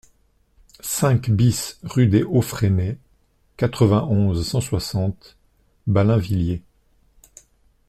cinq BIS rue des Hauts Fresnais, quatre-vingt-onze, cent soixante, Ballainvilliers